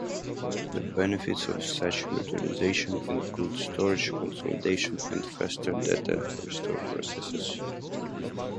The benefits of such virtualization include storage consolidation and faster data restore processes.